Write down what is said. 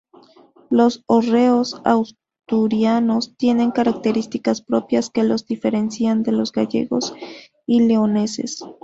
Los hórreos asturianos tienen características propias que los diferencian de los gallegos y leoneses.